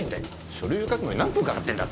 書類を書くのに何分かかってんだ。